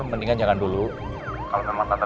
mendingan jangan dulu kalau memang tata